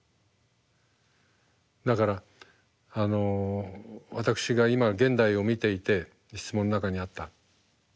だからあの私が今現代を見ていて質問の中にあった。